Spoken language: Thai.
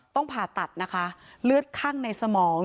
ผ่าตัดนะคะเลือดคั่งในสมอง